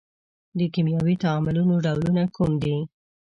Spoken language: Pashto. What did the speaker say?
د کیمیاوي تعاملونو ډولونه کوم دي؟